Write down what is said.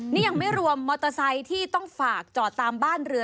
นี่ยังไม่รวมมอเตอร์ไซค์ที่ต้องฝากจอดตามบ้านเรือ